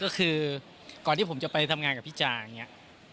ก็คือก่อนที่ผมจะไปทำงานกับพี่จาอย่างนี้